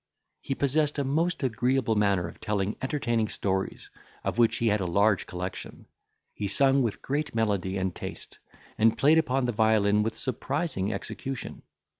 He possessed a most agreeable manner of telling entertaining stories, of which he had a large collection; he sung with great melody and taste, and played upon the violin with surprising execution.